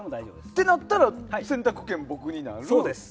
ってなったら選択権が僕になる？